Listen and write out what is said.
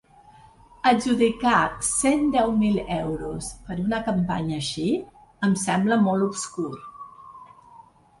Adjudicar cent deu mil euros per una campanya així em sembla molt obscur.